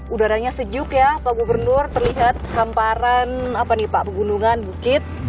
udaranya sejuk ya pak gubernur terlihat kemparan apa nih pak pegunungan bukit